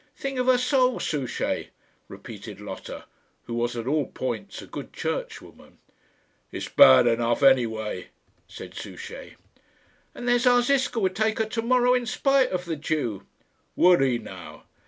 "Think of her soul, Souchey," repeated Lotta, who was at all points a good churchwoman. "It's bad enough any way," said Souchey. "And there's our Ziska would take her to morrow in spite of the Jew." "Would he now?"